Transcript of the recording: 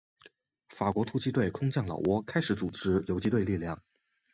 法国突击队空降老挝开始组织游击队力量。